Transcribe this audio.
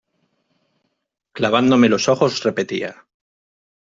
clavándome los ojos repetía: